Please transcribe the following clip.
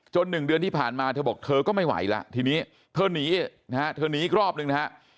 จนหนึ่งเดือนที่ผ่านมาเธอบอกเธอก็ไม่ไหวละทีนี้เธอหนีอีกรอบหนึ่งนะฮะ